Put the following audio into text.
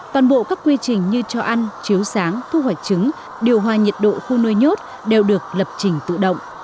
toàn bộ các quy trình như cho ăn chiếu sáng thu hoạch trứng điều hòa nhiệt độ khu nuôi nhốt đều được lập trình tự động